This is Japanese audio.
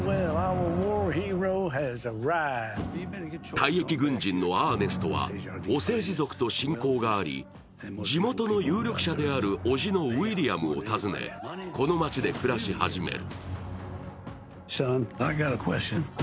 退役軍人のアーネストは、オセージ族と親交があり地元の有力者であるおじのウィリアムを訪ねこの町で暮らし始める。